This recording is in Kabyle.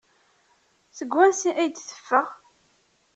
Seg wansi ay d-teffeɣ?